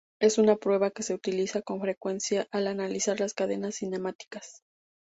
Es una prueba que se utiliza con frecuencia al analizar las cadenas cinemáticas.